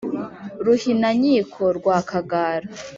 Ruhinankiko rwa Rwakagara